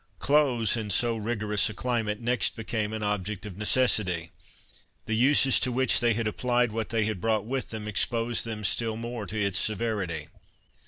Clothes, in so rigorous a climate, next became an object of necessity. The uses to which they had applied what they had brought with them exposed them still more to its severity.